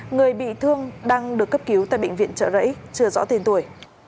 người bị thương đang được cấp cứu tại bệnh viện trợ rẫy chưa rõ tên tuổi